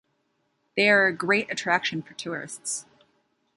They are a great attraction for tourists.